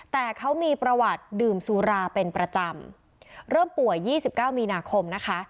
แต่เขามีประวัติดื่มสุราเป็นประจำเริ่มป่วย๒๙มีนาคมนะคะ